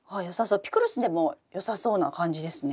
ピクルスでもよさそうな感じですね。